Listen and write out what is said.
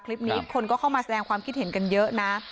คลิปนี้คนก็เข้ามาแสดงความคิดเห็นกันเยอะนะ